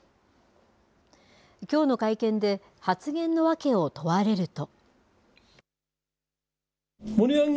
きょうの会見で、発言の訳を問われると。